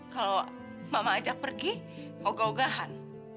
kalau mama ajak pergi moga ogahan